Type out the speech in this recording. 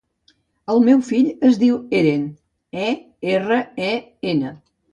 El meu fill es diu Eren: e, erra, e, ena.